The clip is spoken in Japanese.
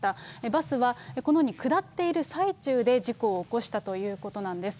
バスはこのように下っている最中で事故を起こしたということなんです。